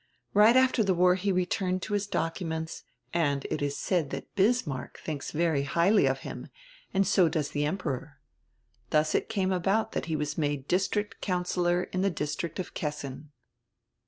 Right after the war he returned to his documents, and it is said diat Bismarck diinks very highly of him, and so does the Emperor. Thus it came about diat he was made district councillor in die district of Kessin."